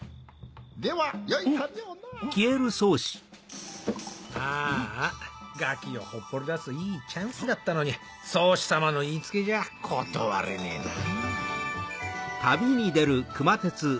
・ではよい旅をなぁ・ああガキをほっぽり出すいいチャンスだったのに宗師様の言いつけじゃ断れねえなぁ。